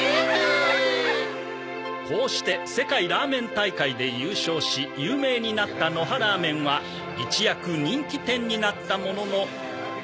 こうして世界拉麺大会で優勝し有名になったのはらーめんは一躍人気店になったものの